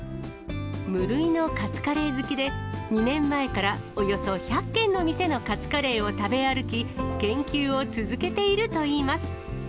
無類のカツカレー好きで、２年前から、およそ１００軒の店のカツカレーを食べ歩き、研究を続けているといいます。